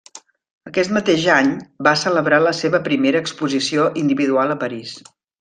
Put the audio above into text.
Aquest mateix any va celebrar la seva primera exposició individual a París.